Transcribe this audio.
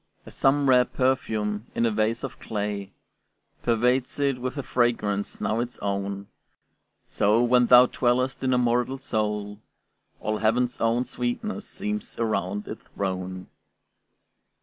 As some rare perfume in a vase of clay Pervades it with a fragrance not its own, So, when thou dwellest in a mortal soul, All heaven's own sweetness seems around it thrown.